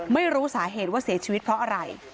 ไม่รู้สาเหตุว่าเสียชีวิตเพราะอะไร